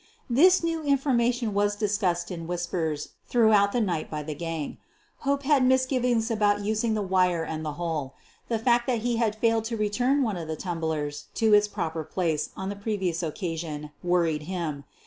This new information was discussed in whispers throughout the night by the gang. Hope had mis givings about using the wire and the hole. The fact that he had failed to return one of the tumblers to its proper place on the previous occasion wor ried him.